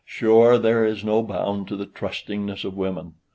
Sure there is no bound to the trustingness of women.